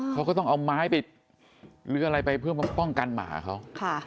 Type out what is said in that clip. เขาก็ต้องเอาไม้ไปหรืออะไรไปเพื่อป้องกันหมาเขา